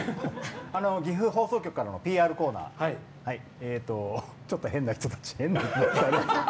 岐阜放送局からのＰＲコーナーちょっと変な人たち。